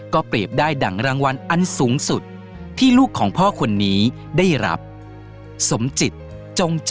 เปรียบได้ดั่งรางวัลอันสูงสุดที่ลูกของพ่อคนนี้ได้รับสมจิตจง